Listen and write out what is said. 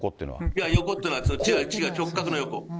いや、横っていうのは、違う、こう？